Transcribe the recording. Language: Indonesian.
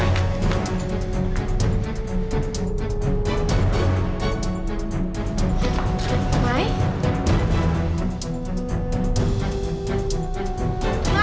saya akan menunjukan nas dia az hebben